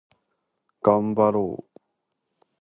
がんばろう